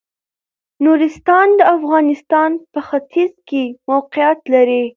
نورستان د افغانستان په ختيځ کې موقيعت لري.